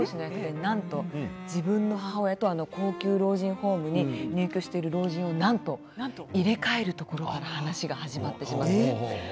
なんと自分の母親と高級老人ホームに入居している老人を入れ替えるところから話が始まってしまうんです。